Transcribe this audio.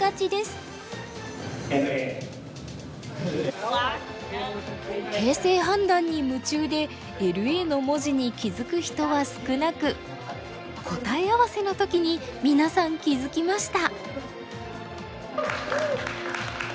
正解は形勢判断に夢中で「ＬＡ」の文字に気付く人は少なく答え合わせの時に皆さん気付きました。